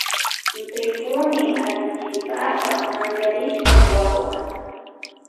Rikuni allichinkapa mancharishka wawa.